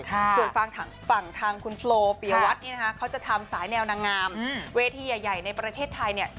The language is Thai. ส่วนฝั่งทางคุณโฟลปียวัตรนี่นะคะเขาจะทำสายแนวนางงามเวทีใหญ่ในประเทศไทยเนี่ย